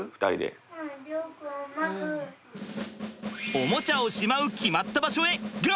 おもちゃをしまう決まった場所へＧＯ！